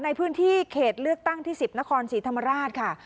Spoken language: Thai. ในพื้นที่เขตเลือกตั้งที่๑๐นครศรีธรรมราชค่ะ